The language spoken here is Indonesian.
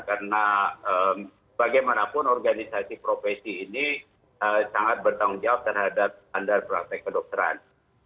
karena bagaimanapun organisasi profesi ini sangat bertanggung jawab terhadap standar praktek kedokteran